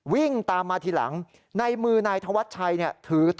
วิ่งตามมาทีหลังในมือนายธวัชชัย